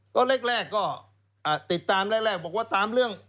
ก็แรกก็ติดตามแรกบอกว่าตามเรื่อง